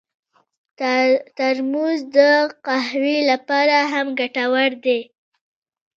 ترموز د قهوې لپاره هم ګټور دی.